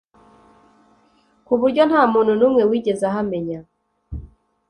ku buryo nta muntu n'umwe wigeze ahamenya